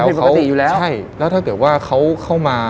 ผิดปกติอยู่แล้วใช่แล้วถ้าเกิดว่าเขาเข้ามา